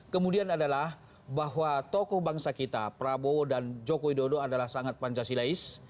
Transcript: kemudian adalah bahwa tokoh bangsa kita prabowo dan joko widodo adalah sangat pancasilais